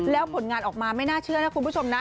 แล้วผลงานออกมาไม่น่าเชื่อนะคุณผู้ชมนะ